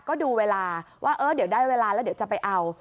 ก็ดูเวลาว่าเออเดี๋ยวได้เวลาแล้วเดี๋ยวจะไปเอา